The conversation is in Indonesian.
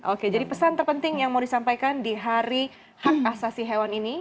oke jadi pesan terpenting yang mau disampaikan di hari hak asasi hewan ini